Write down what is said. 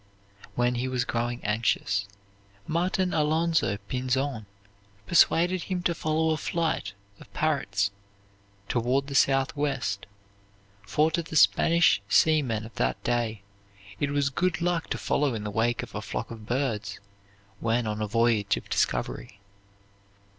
When he was growing anxious, Martin Alonzo Pinzon persuaded him to follow a flight of parrots toward the southwest; for to the Spanish seamen of that day it was good luck to follow in the wake of a flock of birds when on a voyage of discovery.